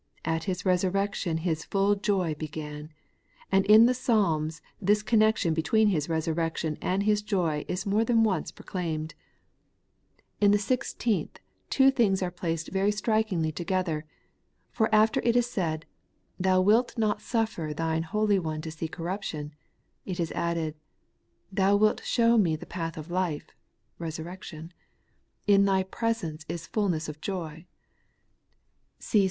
At His resurrection His full joy began ; and in the Psalms this connection between His resurrection and His joy is more than once proclaimed. In the What the Resurrection of the Substitute has done, 139 sixteenth the two things are placed very strikingly together ; for after it is said, ' Thou wilt not suffer Thine Holy One to see corruption/ it is added, ' Thou wnt show me the path of life (resurrection) ; in Thy presence is fulness of joy' (see Ps.